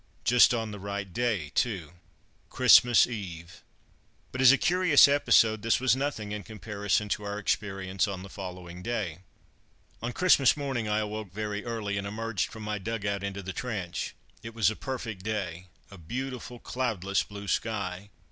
Just on the right day, too Christmas Eve! But, as a curious episode, this was nothing in comparison to our experience on the following day. On Christmas morning I awoke very early, and emerged from my dug out into the trench. It was a perfect day. A beautiful, cloudless blue sky.